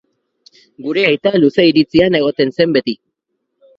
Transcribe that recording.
Gure aita luze iritzian egoten zen beti.